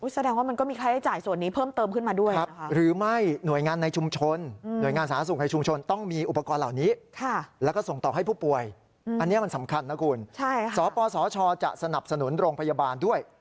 แสดงว่ามันก็มีใครให้จ่ายส่วนนี้เพิ่มเติมขึ้นมาด้วย